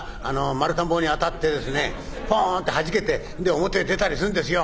丸太ん棒に当たってですねポンってはじけてで表へ出たりするんですよ。